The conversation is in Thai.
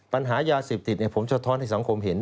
ปัญหายาเสพติดผมสะท้อนให้สังคมเห็น